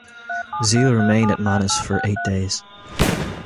Zeal remained at Manus for eight days.